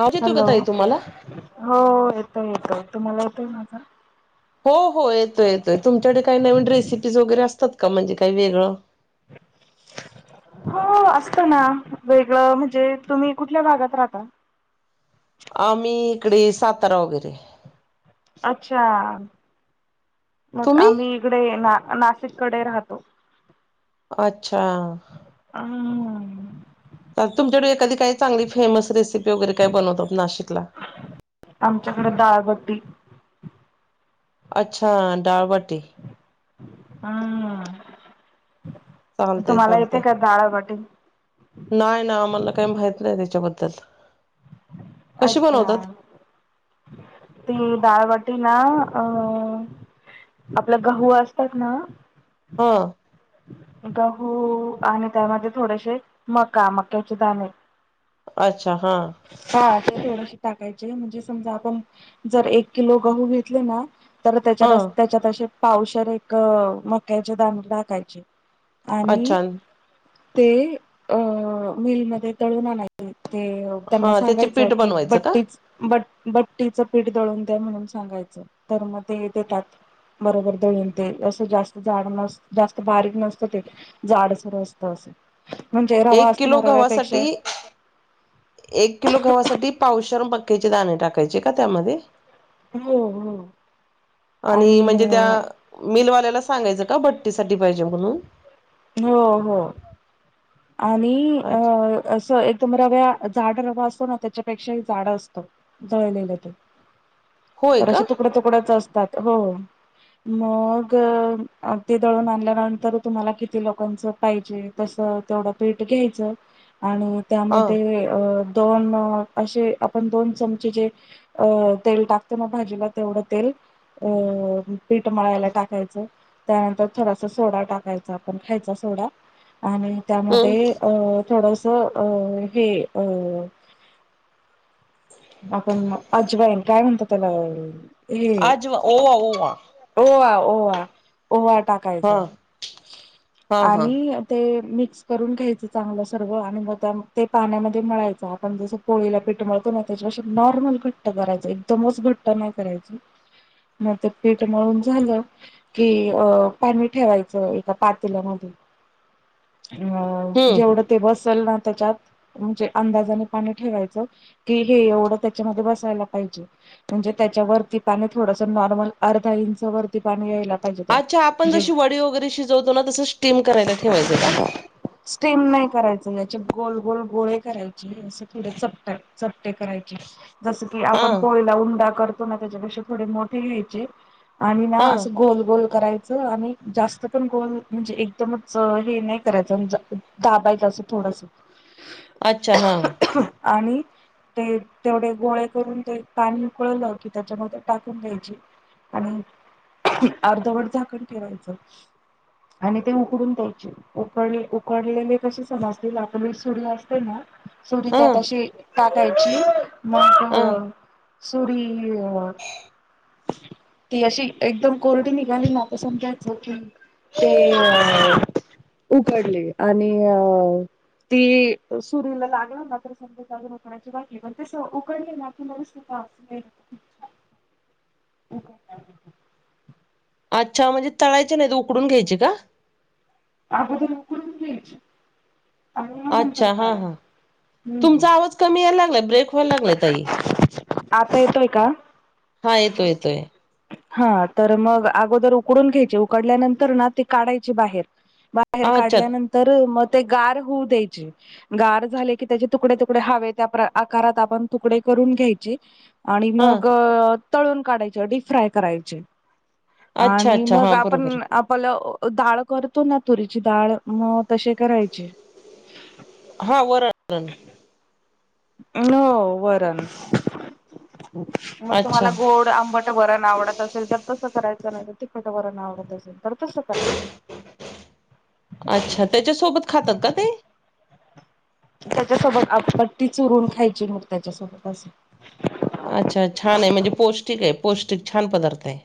आवाज येतोय का हॅलो ताई तुम्हाला? हो येतोय येतोय तुम्हाला येतोय माझा हो हो येतोय येतोय तुमच्याकडे काही नवीन रेसिपीज वगैरे असतात का म्हणजे काही वेगळं हो असत ना वेगळं म्हणजे तुम्ही कुठल्या भागात राहता आम्ही इकडे सातारा वगैरे अच्छा मग तुम्ही? आम्ही इकडे ना नाशिककडे राहतो अच्छा हम्म तर तुमच्याकडे एखादी काही चांगली फेमस रेसिपी वगैरे काय बनवतो नाशिकला आमच्याकडे दाळबट्टी अच्छा दाबाटी हम चालतेय चालतेय नाही ना आम्हाला काही माहित नाही त्याच्याबद्दल कशी अच्छा बनवतात? ती दाळ वाटी ना अ आपल्या गहू असतात ना. हो. गहू आणि त्यामध्ये थोडेसे मका. मक्याचे दाणे. अच्छा, हा. हा ते थोडशी टाकायचे. म्हणजे समजा आपण जर एक किलो गहू घेतले ना. तर त्याच्या हा र त्याच्यात असे पावशर एक मक्याचे दाने टाकायचे. आणि अच्छा ते अ मिलमध्ये दळून आणायचे. ते अ त्यांना हा त्याचे सांगायचं पीठ की बनवायचं का? बट्टीच बट बट्टीचं पीठ दळून द्या म्हणून सांगायचं. तर मग ते देतात. बरोबर दळूण ते. असं जास्त जाड नस जा बारीक नसतं ते. जाड सर असत असं. म्हणजे रवा एक असतो किलो ना. गव्हासाठी रव्यापेक्षा एक किलो गवासाठी पावशरम मक्क्याचे दाणे टाकायचे का? त्यामध्ये. हो हो आणि म्हणजे त्या मिलवाल्याला सांगायचं का? बट्टीसाठी पाहिजे म्हणून. हो हो. आणि अ अच्छा असं एक दम रव्या, जाड रवा असतो ना. त्याच्यापेक्षाही जाड असतो. दळलेलं ते. होय तर का असे तुकड्या तुकड्याच असतात. हो. मग ते दळून आणल्यानंतर तुम्हाला कि ती लोकांच पाहिजे. तस तेवढं पेठ घ्यायचं. आणि हा त्यामध्ये अ दोन असे. आपण दोन चमचे जे अ तेल टाकते मग भाजीला. तेवढं तेल अ पीठ मळायला टाकायचं. त्यानंतर थोडास सोडा टाकायचा. खायचा सोडा. आणि हम् त्यामध्ये अ थोडस अ हे अ आपण अजवाईन. काय म्हणतो त्याला अ अज ओवा, ओवा. ओवा, ओवा, ओवा हा टाकायचा. हा हा आणि ते मिक्स करून घ्यायचं चांगलं सर्व. आणि मग त्या ते पाण्यामध्ये मळायचं. आपण जसं पोळीला पीठ मळतो ना. त्याच्या पेक्षा नॉर्मल घट्ट करायच. एकदमच घट्ट नाही करायच. म ते पीठ मळून झालं. कि अ पाणी ठेवायचं एका पातीलामध्ये. अ हम्म जेवढं ते बसेल ना त्याच्यात. म्हणजे अंदाजाने पाणी ठेवायचं. कि हे एवढं त्याच्यामध्ये बसायला पाहिजे. म्हणजे त्याच्यावरती पाणी थोडस नॉर्मल. अर्धा इंचवर ते पाणी यायला पाहिजे. त्या अच्छा आपण जे जशी वडी वगैरे शिजवतो ना. तसं स्टीम करायला ठेवायचं का? स्टीम नाही करायच. याचे गोल गोल गोळे करायचे. असं थड चपट. चपटे करायचे. जस की हा आपण पोळीला उंडा कर तो ना. त्याच्यापेक्षा थोडे मोठे घ्यायचे. आणि ना हा अस गोल गोल कराय च. आणि जास्त पण गोल म्हणजे एकदमच हे नाही करायचं. दाबायच असं थोडस. अच्छा, ह. आणि. ते तेवढे गोळे करून. ते पाणी उकळलं कि, त्याच्यामध्ये टाकून द्यायची. आणि अर्धवट झाकण ठेरायचं. आणि ते उकडून द्यायचे. उकडले, उकडलेले कसे समजतील. आपली सुरी असते ना. सुरी हा त्यात अशी टाकायची. म अ. सुरी अ ती अशी एकदम कोर्डी निघाली ना. आता समजायचं की हे. अ.. उघडले आणि अ. ते सुरूला लागलं ना, तर समज [unintelligible] तसं उकडले ना की [unintelligible] हो का. अच्छा, म्हणजे तळायचे नाही. उकडून घ्यायचे का, अगोदर उकडून घ्यायची, आणि मग नंतर अच्छा हा हा करायचं. हम् तुमचा आवाज कमी यायला लागला ब्रेक व्हाय लागलाय ताई. आता येतोय का? हा येतो येतोय. हा तर मग अगोदर उकडून घ्यायची, उकडल्यानंतर ना ती काढायची बाहेर बा हेर अच्छा काढल्यानंतर मग, ते गार होऊ द्यायची. गार झाले की, त्यांचे तुकडे तुकडे हवे त्या आकारात आपण तुकडे करून घ्यायचे. आणि हा मग तळून काढायचे, डीप फ्राय करायचे. अच्छा आणि अच्छा मग हा बरोबर आपण, आप पल डाळ करतो ना, तुरीची डाळ मग तसे करायची. हां वरण. हो, वरण मग तुम्हाला अच्छा गोड आंबट. वरण आवडत असेल तर तसं करायचं, नाही तर तिखटं वरण आवडत असेल तर तसं करायचं. अच्छा. तेच्यासोबत खातात का ते, त्याच्यासोबत आपपट्टी चुरून खायची. मग त्याच्यासोबत असं. अच्छा छान आहे. म्हणजे पौष्टिक आहे पौष्टिक छान पदार्थ आहे.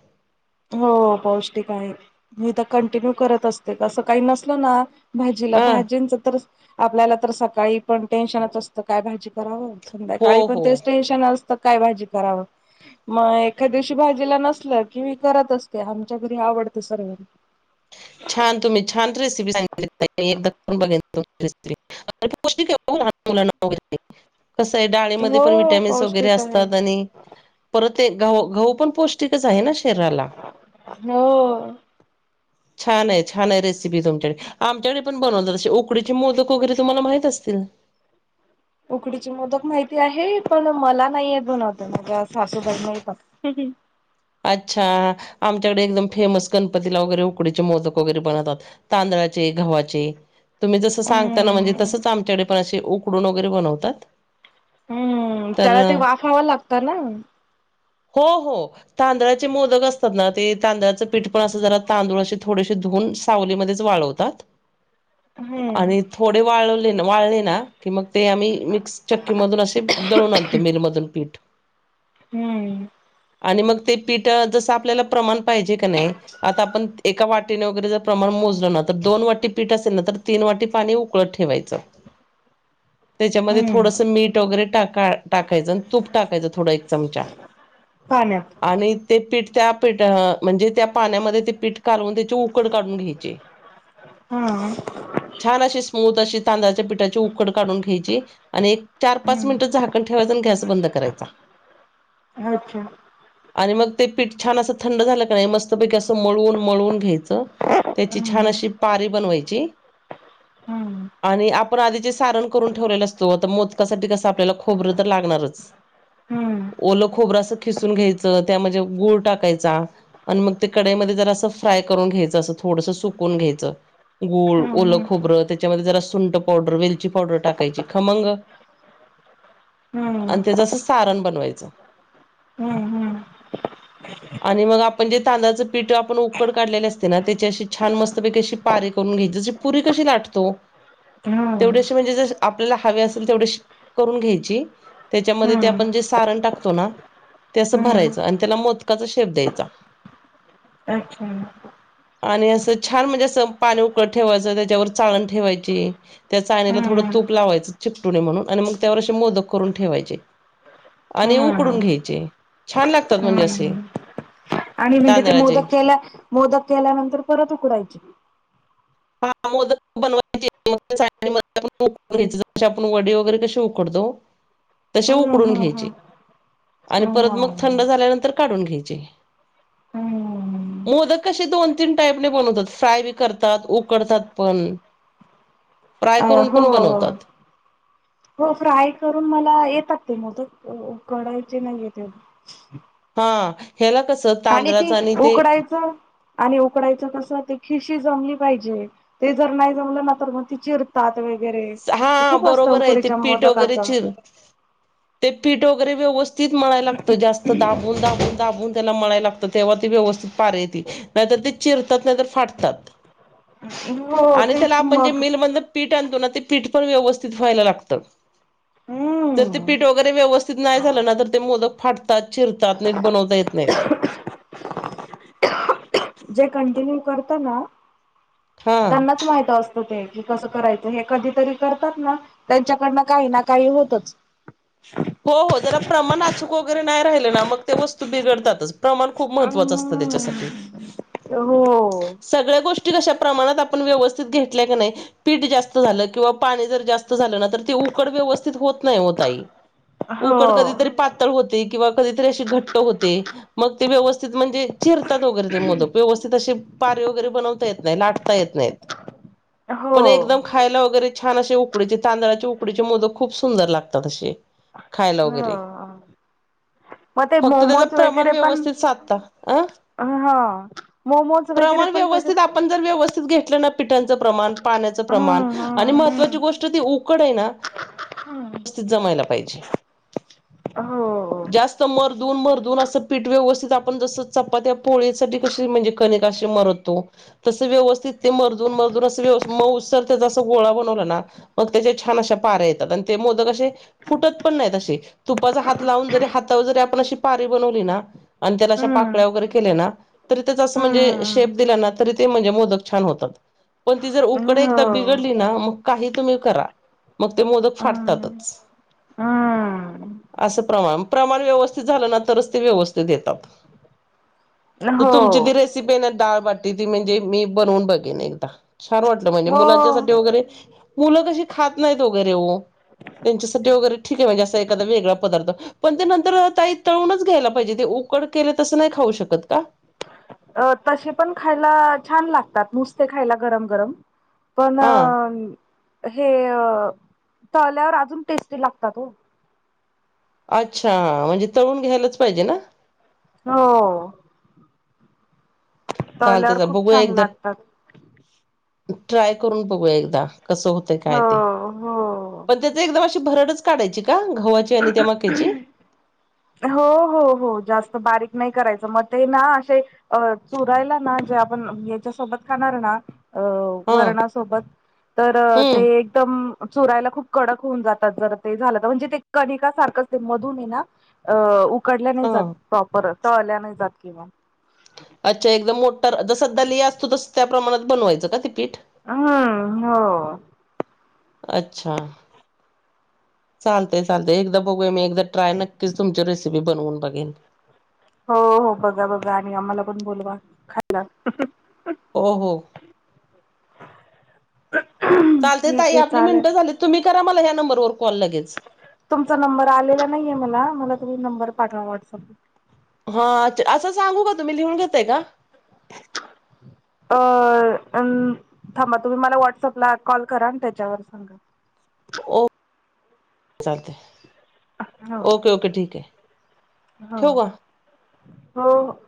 हो, पौष्टिक आहे मी तर कंटिन्यू करत असते, का असं काही नसल ना, भाजीला आ भाजींनच तर आपल्याला तर सकाळी पण टेन्शनच असतं काय भाजी करावं. हो संध्याकाळी पण हो तेेच टेन्श टेन्शन असतं काय भाजी करावं, मग एखादं दिवशी भाजीला नसलं की मग मी. करत असते. आमच्या घरी आवडते सर्वांना. छान तुम्ही छान रेसिपी सांगितली ताई, एकदा करून बघेल तुमची रेसिपी. पौष्टिक ये ओ लहान मुलांना वगैरे, कसंय डाळेमध्ये पण हो विटॅमिन्स वगैरे पौष्टिक आहे असतात. आणि, परत ते घ - गहू पण पौष्टिकच आहे ना शरीराला. हो. छान आहे, छान आहे रेसिपी तुमच्याकडे. आमच्याकडे पण बनवतात, असे उकडीचे मोदक वगैरे तुम्हाला माहित असतील. उकडीची मोदक माहिती आहे. पण मला नाही बनवता येत, माझ्या सासूबाईना येतात. [unintelligible] अच्छा, आमच्याकडे एकदम फेमस गणपतीला वगैरे, उकडीचे मोदक वगैरे बनवतात. तांदळाचे, घव्हाचे. तुम्ही जसं सांगताना म्हणजे, हम्म तसंच आमच्याकडे पण असे उकडून वगैरे बनवतात. हम्म.. तर त्याला ते वाफाव लागतं ना, हो. हो. तांदळाचे मोदक असतात ना, ते तांदळाचं पीठ पण असं जरा तांदूळ असे थोडेसेे धुवून. सावलीमध्येच वाळवतात, हम्म आणि थोडे वाळवले वाळले ना, की मग ते आम्ही मिक्स चक्की मधून असे, दळून आणतो मिल मधून पीठ. हम्म. आणि मग ते पिठं जसं, आपल्याला प्रमाण पाहिजे कणी, आता आपण एका वाटीने वगैरे जर प्रमाण मोजलं ना, तर दोन वाटी पीठ असेल, ना तर तीन वाटी पाणी उकळत ठेवायचं. [unintelligible] त्यांच्यामध्ये हम्म थोडंसं मीठ वगैरे टाका टाकायचं, तूप टाकायचं थोडा एक चमचा. पाण्यात. आणि ते पीठ त्या पीठ म्हणजे, त्या पाण्यामध्ये ते पीठ कालवून त्याची उक उकड काढून घ्यायची. हा छान अशी स्मूथ अशी तांदळाच्या पिठाची उकड काढून घ्यायची आणि एक चार पाच हम्म मिनिटंच झाकण ठेवायचं आणि गॅस बंद करायचा. अच्छा. आणि मग ते पीठ छान असं थंड झालं का नाही मस्त पैकी असं मळून मळून घ्यायचं त्याची छान हम्म अशी पारी बनवायची हम्म आणि आपण आधीजे सारण करून ठेवलेले असतो आता मोदकासाठी कसं आपल्याला खोबरं तर लागणारच हम्म ओलं खोबर अस खिसून घ्यायचं त्या म्हजे गुळ टाकायचा आणि मग ते कडाईमध्ये जरासं फ्राय करून घ्यायचं असं थोडंस सुकून घ्यायचं गूळ ओलं हम्म खोबरं त्याच्यामध्ये जरा सुंट पावडर वेलची पावडर टाकायची खमंग [unintelligible] हम्म आणि तेज असं सारण बनवायचं. हम्म हम्म आणि मग आपण जे तांदळाचं पीठ आपण उकड काढलेले असते ना त्याची अशी छान मस्तपैकी अशी पारे करून घ्यायची जशी पुरी कशी लाटतो हम्म तेवढे हम्म अशे म्हणजे जशे आपल्याला हवे असेल तेवढे करून घ्यायची त्याच्यामध्ये हम्म आपण जस सारण टाकतो ना ते असं हम्म भरायचं आणि त्याला मोदकाचा शेप द्यायचा. अच्छा आणि असं छान म्हणजे असं पाणी उकडत ठेवायचं त्याच्यावर चाळण ठेवायची त्या चाळनीला थोडं हम्म तूप लावायचं चिकटुणे म्हणून,, आणि मग त्यावर असे मोदक करून ठेवायचे,, आणि उकडून हम्म घ्यायचे. छान लागतात म्हणजे असे हम्म,, आणि म्हणजे ते तांदळाचे मोदक ख्यायला मोदक केल्यानंतर परत उकडायचे हा,, मोदक बनवायचे घ्यायच, जशी आपण वडे वगैरे कसे उकडतो तशे हम्म उकडून घ्यायचे,, हम्म आणि हम्म परत मग थंड हम्म झाल्यानंतर काढून घ्यायचे. हम्म मोदक कसेे दोन तीन टाईपने बनवतात,, फ्राय बी करतात, ऊकऽ उकडतात पण फ्राय अ,, करून हो. पण बनवतात हो, फ्राय करून, मला येतात ते मोदक, ऊकडायचे नाही येत. हां,,, ह्याला कस आणि ते,, उकडायचं आणि उकडायचं कस? ते खिशी जमली पाहिजे,, ते जर नाही जमलं ना तर मग ती चिर तात वगैरे,, ते हा खूप असतं बरोबर आहे ते उकडीच्या पीठ मोदकाच. वगैरे चिर ते पीठ वगैरे व्यवस्थित मळाय लागतं,, जास्त दाबून, दाबून, दाबून त्याला मळाय लागत,, तेव्हा ते व्यवस्थित पार येतय, नाहीतर ते चिरतात नाहीतर, फाटतात. हो आणि त्याला तेच आपण जे मग मिलमधन पीठ आणतो ना,, ते पीठ पण व्यवस्थित व्हायला लागतं. तर ते हम्म पीठ वगैरे व्यवस्थित नाही झालं ना,, तर ते मोदक फाटत तात,, चिर तात,, नीट बनवता येत नाहीत. जे कंटिन्यू करतात ना,, हा त्यांनाच माहित असत ते,, की कसं करायचं,, हे कधीतरी करतात ना त्यांच्याकडनं काही ना काही होतच. हो, हो, जरा प्रमाण अचूक वगैरे नाही राहिले ना,, मग ते वस्तू बिघडतातच. प्रमाण खूप अ महत्वाचं असतं त्याच्यासाठी. हो सगळ्या गोष्टी कश्या प्रमाणात आपण व्यवस्थित घेतल्या का नाही पीठ जास्त झालं,, किंवा पाणी जर जास्त झालं,, ना तर ते उकड व्यवस्थित होत नाही, हो ताई हो उकड कधीतरी पातळ होते. किंवा कधीतरी अशी घट्ट होते. मग ते व्यवस्थित म्हणजे चिरतात वगैरे ते मोदक. व्यवस्थित असे पारे वगैरे बनवता येत नाही. लाटता येत नाहीत. पण हो एकदम खायला वगैरे छान असे उकडीचे, तांदळाचे उकडीचे मोदक खूप सुंदर लागतात असे. खायला हो वगैरे हा मग ते फक्त त्याचं मोमोज प्रमाण वगैरे पण व्यवस्थित साधता अ हा मोमोज वगैरे प्रमाण पण तसेच व्यवस्थित आपण जर व्यवस्थित घेतलं ना, पिठांचं प्रमाण पाण्याचं प्रमाण हम्म आणि महत्वाची हम्म गोष्ट ती उकड आहे ना हम्म व्यवस्थित जमायला पाहिजे. हो. जास्त मरदून मरदून असं पीठ व्यवस्थित आपण जस चपात्या पोळीसाठी कशी म्हणजे कनिक अशी मरदतो. तस व्यवस्थित ते मर्जून मर्जून असं व्यवस्थ मऊ सर त्याच अस गोळा बनवला ना मग त्याच्या छान अशा पार्या येतात,, आणि ते मोदक असे फुटत पण नाही तशी. तुपाचा हात लावून जरी हातावर जरी आपण अशी पारी बनवली ना आणि त्याला अशा हम्म पाकळ्या वगैरे केलं ना. आस म्हणजे हम्म शेप दि ना तरी ते म्हणजे मोदक छान होतात. पण ती जर उकडं एकदा हो बिघडली ना मग काही तुम्ही करा मग ते मोदक हम्म फाटतातच. हम्म असं प्रमाण. प्रमाण व्यवस्थित झालं ना तरच ते व्यवस्थित येतात. तर हो तुमची जी रेसिपी आहे ना डाळबाटी ती म्हणजे मी बनवून बघेन एकदा. छान वाटत म्हणजे हो मुलांच्यासाठी वगैरे. मुलं कशी खात नाहीत ओ वगैरे ओ,, त्यांच्यासाठी वगैरे ठीक आहे म्हणजे आसा एखादा वेगळा पदार्थ पण ते नंतर अ ताई तळूनच घ्यायला पाहिजे ते उकड केले तसं नाही खाऊ शकत का? अ तसे पण खायला छान लागतात. नुसते खायला गरम गरम. पण अ हा हे अ तळल्यावर अजून टेस्टी लागतात हो. अच्छा म्हणजे तळून घ्यायलाच पाहिजे ना? हो चालत तळल्यावर चालत खूप बघूया. छान एकदा लागतात ट्राय करून बघूया एकदा. कसं होतय काय ते. हो हो पण. त्याच एकदम अशी भरडच काढायची का? घव्हाची आणि त्या मक्याची. हो हो हो जास्त बारीक नाही करायचा. मग ते ना असे अ चुरायला ना जे आपण याच्यासोबत खाणार ना अ हा वरणासोबत तर अ हम्म ते म चुरायला खूप कडक होऊन जातात. जर ते झालं तर. म्हणजे ते कणिका सारखंच ते मधून ये ना अ उकडल्या नाही हा जात. प्रॉपर तळल्या नाही जात कि म. अच्छा एकदम मोटर जसं दलिया असतो तसं त्या प्रमाणात बनवायचं का ते पीठ? हम्म हो अच्छा चालतय चालतय एकदा बघूया मी एकदा ट्राय नक्कीच तुमच्या रेसिपी बनवून बघेन. हो हो बघा बघा. आणि आम्हाला पण बोलवा खायला. हो हो चालतय ठीक ताई आहे आपली चालेल मिनटं झाली. तुम्ही करा मला या नंबरवर कॉल लगेच. तुमचा नंबर आलेला नाहीये मला. मला तुम्ही नंबर पाठवा व्हॉट्सअप. हा अच्छा असं सांगू का तुम्ही लिहून घेताय का? अ अन थांबा तुम्ही मला व्हॉट्सअपला कॉल करा. आणि त्याच्यावर सांगा. ओक चालतंय. ओके ओके ठीक आहे. ठेवू हं का हो हो